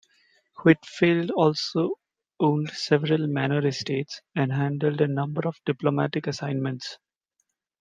Huitfeldt also owned several manor estates and handled a number of diplomatic assignments.